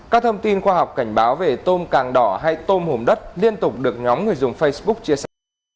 các thông tin khoa học cảnh báo về tôm càng đỏ hay tôm hùm đất liên tục được nhóm người dùng facebook chia sẻ